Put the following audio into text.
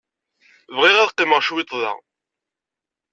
Bɣiɣ ad qqimeɣ cwiṭ da.